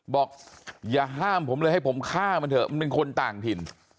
บอกอย่าห้ามผมเลยให้ผมฆ่ามันเถอะมันเป็นคนต่างถิ่น